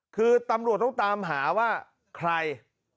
คือตำรวจต้องตามหาว่าใคร